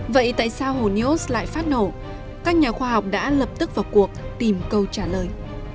vậy tại sao hồ neos lại phát nổ các nhà khoa học đã lập tức vào cuộc tìm câu trả lời